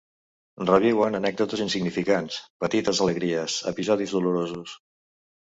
Reviuen anècdotes insignificants, petites alegries, episodis dolorosos.